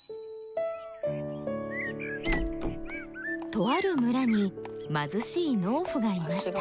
とある村に貧しい農夫がいました。